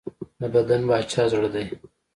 د بدن باچا زړه دی.